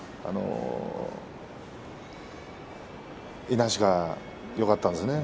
いなしがよかったですね。